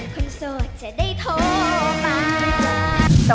โสดจะได้โทรมา